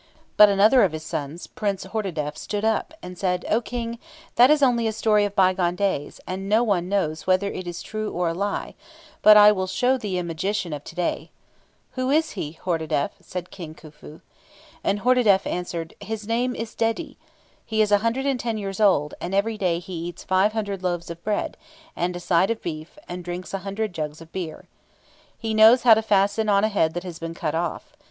But another of his sons, Prince Hordadef, stood up, and said, "O King, that is only a story of bygone days, and no one knows whether it is true or a lie; but I will show thee a magician of to day." "Who is he, Hordadef?" said King Khufu. And Hordadef answered, "His name is Dedi. He is a hundred and ten years old, and every day he eats five hundred loaves of bread, and a side of beef, and drinks a hundred jugs of beer. He knows how to fasten on a head that has been cut off.